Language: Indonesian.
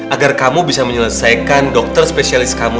agar kamu bisa menyelesaikan dokter spesialis kamu